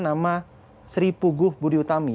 nama sri puguh budi utami